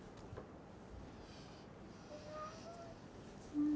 うん！